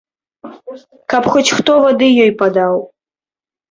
Каб хоць хто вады ёй падаў.